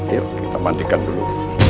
yuk kita mandikan dulu